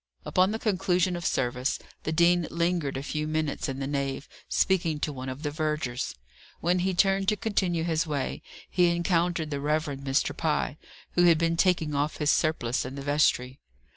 Upon the conclusion of service, the dean lingered a few minutes in the nave, speaking to one of the vergers. When he turned to continue his way, he encountered the Rev. Mr. Pye, who had been taking off his surplice in the vestry.